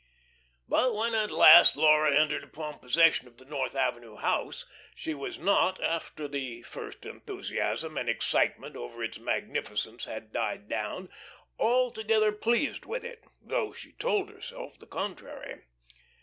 But when at last Laura entered upon possession of the North Avenue house, she was not after the first enthusiasm and excitement over its magnificence had died down altogether pleased with it, though she told herself the contrary.